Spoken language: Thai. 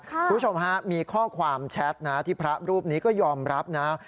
คุณผู้ชมฮะมีข้อความแชทนะที่พระรูปนี้ก็ยอมรับนะ